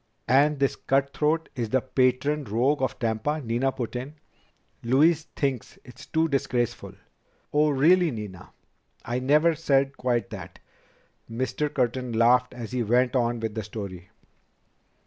"And this cutthroat is the patron rogue of Tampa," Nina put in. "Louise thinks it's too disgraceful." "Oh, really, Nina. I never said quite that " Mr. Curtin laughed as he went on with the story.